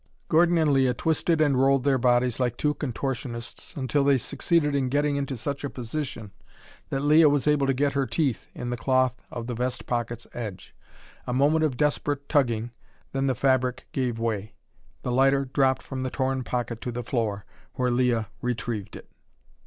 Gordon and Leah twisted and rolled their bodies like two contortionists until they succeeded in getting into such a position that Leah was able to get her teeth in the cloth of the vest pocket's edge. A moment of desperate tugging, then the fabric gave way. The lighter dropped from the torn pocket to the floor, where Leah retrieved it.